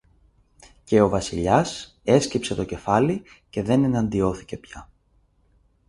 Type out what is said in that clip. Και ο Βασιλιάς έσκυψε το κεφάλι και δεν εναντιώθηκε πια.